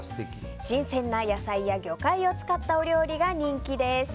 新鮮な野菜や魚介を使ったお料理が人気です。